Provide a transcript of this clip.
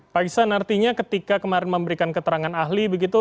pak iksan artinya ketika kemarin memberikan keterangan ahli begitu